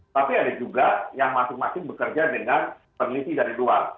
tapi ada juga yang masing masing bekerja dengan peneliti dari luar